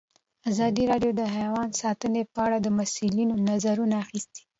ازادي راډیو د حیوان ساتنه په اړه د مسؤلینو نظرونه اخیستي.